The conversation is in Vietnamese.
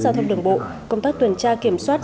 giao thông đường bộ công tác tuần tra kiểm soát